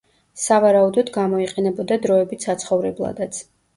სავარაუდოდ, გამოიყენებოდა დროებით საცხოვრებლადაც.